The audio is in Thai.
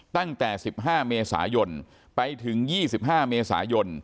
ตั้งแต่๑๕เมษายนไปถึง๒๕เมษายน